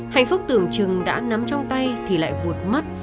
hạnh phúc tưởng chừng đã nắm trong tay thì lại vụt mắt